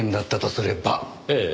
ええ。